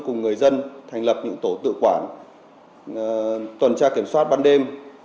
cùng người dân thành lập những tổ tự quản tuần tra kiểm soát ban đêm